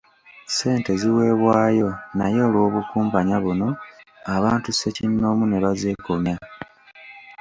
Ssente ziweebwayo naye olw’obukumpanya buno, abantu ssekinnoomu ne bazeekomya.